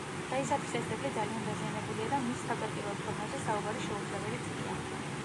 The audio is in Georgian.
დღეისათვის ეს ძეგლი ძალიან დაზიანებულია და მის თავდაპირველ ფორმაზე საუბარი შეუძლებელიც კია.